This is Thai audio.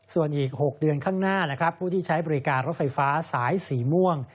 ส่วนอีก๖เดือนข้างหน้านะครับผู้ที่ใช้บริการรถไฟฟ้าสายสีม่วง